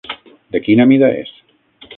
De quina mida és?